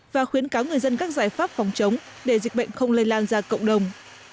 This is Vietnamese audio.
và khuyến cáo người dân các giải pháp phòng chống để dịch bệnh không lây lan ra cộng đồng